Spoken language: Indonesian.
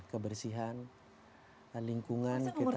kebersihan lingkungan kita